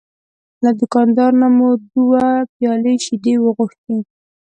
له دوکاندار نه مو دوه پیالې شیدې وغوښتې.